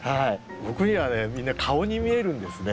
僕にはみんな顔に見えるんですね。